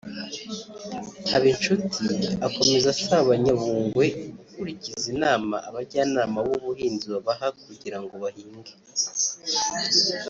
Habinshuti akomeza asaba Abanyabungwe gukurikiza inama abajyanama b’ubuhinzi babaha kugira ngo bahinge